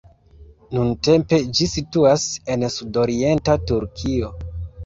Nuntempe ĝi situas en sudorienta Turkio.